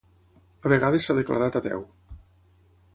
A vegades s'ha declarat ateu.